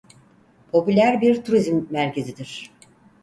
Popüler bir turizm merkezidir.